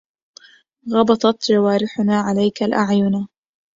غبطت جوارحنا عليك الأعينا